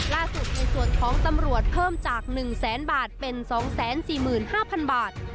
ล่าสุดในส่วนของตำรวจเพิ่มจาก๑แสนบาทเป็น๒๔๕๐๐๐บาท